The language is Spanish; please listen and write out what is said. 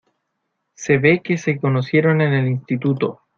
Se ve que se conocieron en el instituto.